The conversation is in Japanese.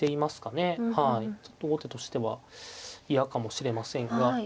ちょっと後手としては嫌かもしれませんが。